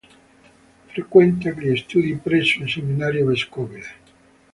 Frequenta gli studi presso il seminario vescovile.